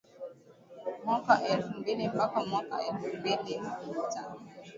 Mwaka elfu mbili mpaka mwaka elfu mbili na tano